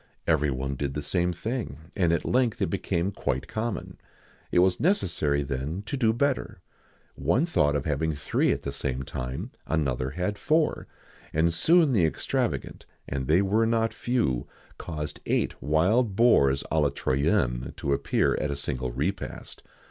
Every one did the same thing, and at length it became quite common. It was necessary then to do better. One thought of having three at the same time; another had four; and soon the extravagant and they were not few caused eight wild boars à la Troyenne to appear at a single repast.